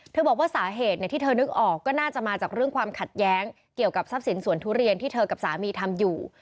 บอกว่าสาเหตุที่เธอนึกออกก็น่าจะมาจากเรื่องความขัดแย้งเกี่ยวกับทรัพย์สินสวนทุเรียนที่เธอกับสามีทำอยู่